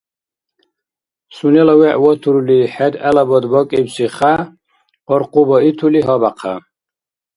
Сунела вегӀ ватурли хӀед гӀелабад бакӀибси хя къаркъуба итули гьабяхъя.